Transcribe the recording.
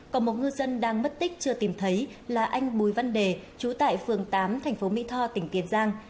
còn một ngư dân đang mất tích chưa tìm thấy là anh bùi văn đề chủ tại phương tám thành phố mỹ to tỉnh biển giang